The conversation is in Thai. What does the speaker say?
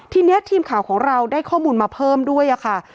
ทีนี้ทีมข่าวของเราได้ข้อมูลมาเพิ่มด้วยค่ะ